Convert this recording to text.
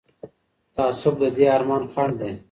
تعصب د دې ارمان خنډ دی